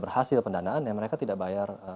berhasil pendanaan yang mereka tidak bayar